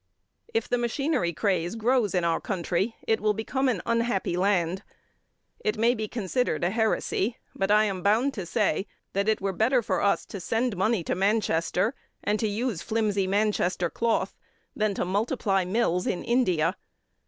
If the machinery craze grows in our country, it will become an unhappy land. It may be considered a heresy, but I am bound to say that it were better for us to send money to Manchester and to use flimsy Manchester cloth than to multiply mills in India.